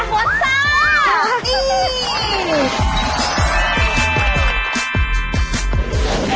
โมซ่า